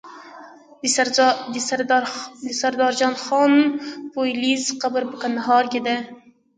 د سردار جان خان پوپلزی قبر په کندهار کی دی